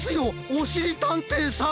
おしりたんていさん！